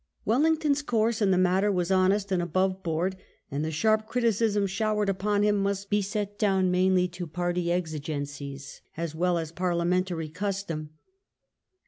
Wellington's course in the matter was honest and above board, and the sharp criticism showered upon him must be set down mainly to party exigencies as well as parliamentary custom.